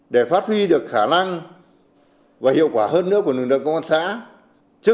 để phát huy được khả năng và hiệu quả hơn nữa của lực lượng công an xã